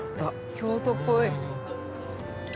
京都っぽい。